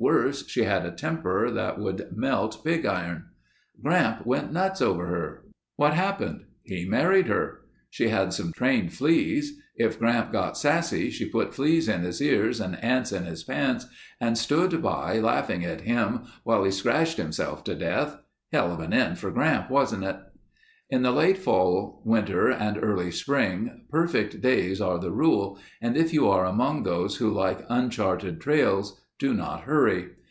Worse, she had a temper that would melt pig iron. "Gramp went nuts over her. What happened? He married her. She had some trained fleas. If Gramp got sassy, she put fleas in his ears and ants in his pants and stood by, laughing at him, while he scratched himself to death. Hell of an end for Gramp, wasn't it?" In the late fall, winter, and early spring perfect days are the rule and if you are among those who like uncharted trails, do not hurry.